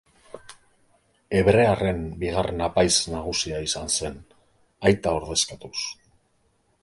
Hebrearren bigarren apaiz nagusia izan zen, aita ordezkatuz.